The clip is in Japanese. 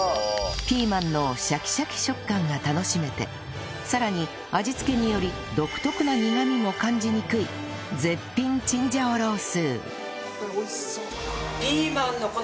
ピーマンのシャキシャキ食感が楽しめてさらに味付けにより独特な苦みも感じにくい絶品チンジャオロース